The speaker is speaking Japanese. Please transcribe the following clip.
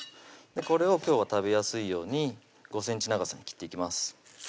これを今日は食べやすいように５ｃｍ長さに切っていきます